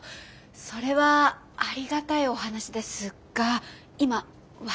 それはありがたいお話ですが今割と忙しくて。